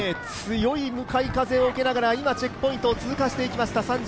強い向かい風を受けながら、今チェックポイントを通過していきました。